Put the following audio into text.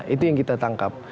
itu yang kita tangkap